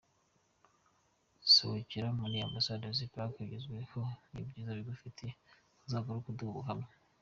Sohokera muri Ambassador's Park ugerweho n'ibyiza bagufitiye, uzagaruka uduha ubuhamya.